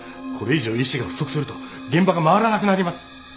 これ以上医師が不足すると現場が回らなくなります。